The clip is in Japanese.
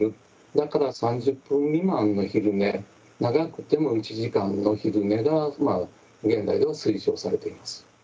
だから３０分未満の昼寝長くても１時間の昼寝が現在では推奨されています。